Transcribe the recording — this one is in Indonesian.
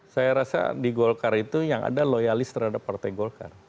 saya rasa di golkar itu yang ada loyalis terhadap partai golkar